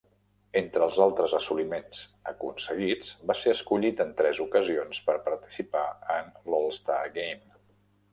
Entre els altres assoliments aconseguits, va ser escollit en tres ocasions per participar en l'All-Star Game.